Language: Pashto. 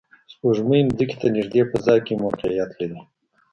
سپوږمۍ ځمکې ته نږدې فضا کې موقعیت لري